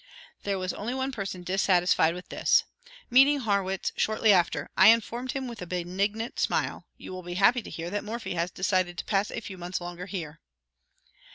There was only one person dissatisfied with this. Meeting Harrwitz shortly after, I informed him with a benignant smile, "You will be happy to hear that Morphy has decided to pass a few months longer here."